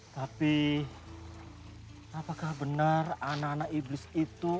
tapi apakah benar anak anak iblis itu